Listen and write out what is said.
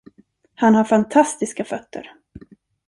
Han har fantastiska fötter.